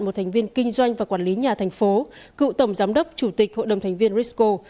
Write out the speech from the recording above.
một thành viên kinh doanh và quản lý nhà thành phố cựu tổng giám đốc chủ tịch hội đồng thành viên risco